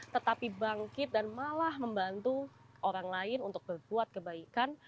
tetapi bangkit dan malah membantu orang lain untuk berbuat kebaikan